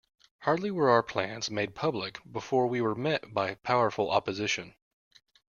Hardly were our plans made public before we were met by powerful opposition.